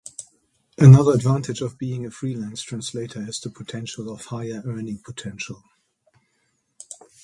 Another advantage of being a freelance translator is the potential for higher earning potential.